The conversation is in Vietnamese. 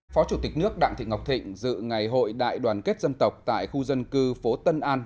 phó chủ tịch nước đặng thị ngọc thịnh dự ngày hội đại đoàn kết dân tộc tại khu dân cư phố tân an